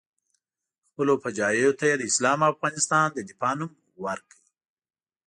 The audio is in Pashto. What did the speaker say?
خپلو فجایعو ته یې د اسلام او افغانستان د دفاع نوم ورکړی.